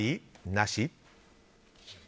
なし？